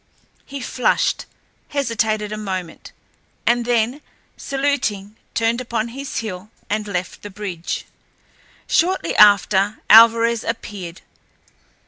He flushed, hesitated a moment, and then, saluting, turned upon his heel and left the bridge. Shortly after, Alvarez appeared.